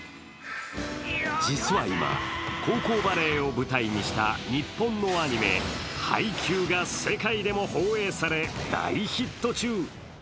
実は今、高校バレーを舞台にした日本のアニメ「ハイキュー！！」が世界でも放映され、大ヒット中。